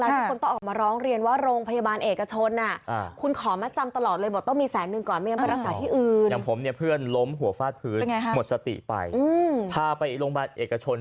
ทุกคนต้องออกมาร้องเรียนว่าโรงพยาบาลเอกชน